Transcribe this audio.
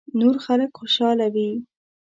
نور خلک خوشاله وي .